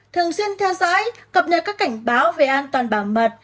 thường xuyên theo dõi cập nhật các cảnh báo về an toàn bảo mật